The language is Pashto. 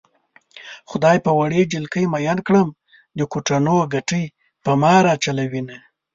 خدای په وړې جلکۍ مئين کړم د کوټنو ګټې په ما راچلوينه